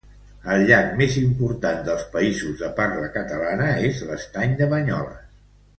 El llac més important dels països de parla catalana és l'estany de Banyoles.